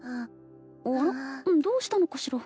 あらどうしたのかしら？